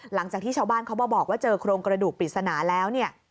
หลังจากที่ชาวบ้านเขาบอกว่าเจอโครงกระดูกปิดสนาแล้ว